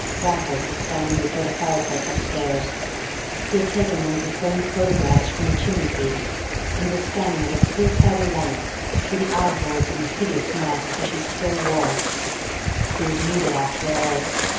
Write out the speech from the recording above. Raffles was standing before the fireplace upstairs. He had taken one of the framed photographs from the chimney piece, and was scanning it at suicidal length through the eye holes in the hideous mask which he still wore. He would need it after all.